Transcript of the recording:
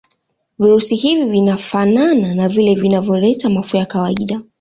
virusi hivi vinafana na vile vinavyoleta mafua ya kawaida